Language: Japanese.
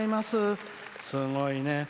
すごいね。